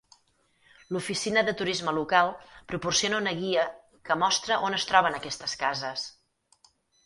L'oficina de turisme local proporciona una guia que mostra on es troben aquestes cases.